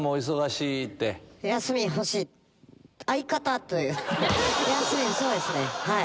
休みはそうですねはい。